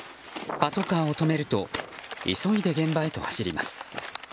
パトカーを止めると急いで現場へと走ります。